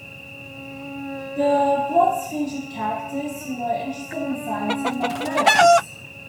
The plots featured characters who were interested in science and mathematics.